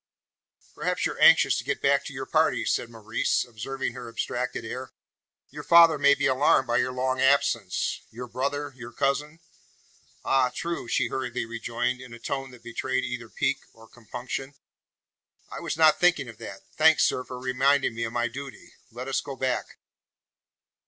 "Perhaps you are anxious to get back to your party?" said Maurice, observing her abstracted air. "Your father may be alarmed by your long absence? Your brother your cousin " "Ah, true!" she hurriedly rejoined, in a tone that betrayed either pique, or compunction. "I was not thinking of that. Thanks, sir, for reminding me of my duty. Let us go back!"